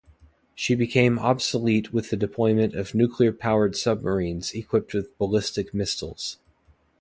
She became obsolete with the deployment of nuclear-powered submarines equipped with ballistic missiles.